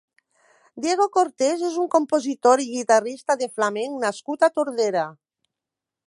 Diego Cortés és un compositor i guitarrista de flamenc nascut a Tordera.